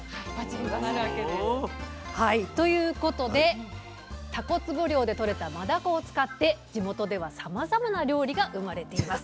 閉まるわけです。ということでたこつぼ漁でとれたマダコを使って地元ではさまざまな料理が生まれています。